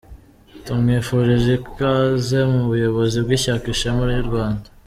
Tumwifurije ikaze mu buyobozi bw’Ishyaka Ishema ry’u Rwanda .